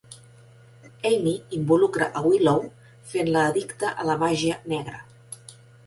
Amy involucra a Willow, fent-la addicta a la màgia negra.